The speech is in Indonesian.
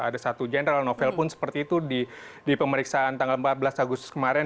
ada satu jenderal novel pun seperti itu di pemeriksaan tanggal empat belas agustus kemarin